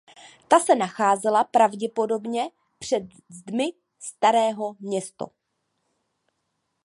Ta se nacházela pravděpodobně před zdmi Starého Město.